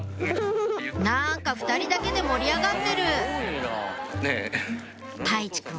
なんか２人だけで盛り上がってる泰地くん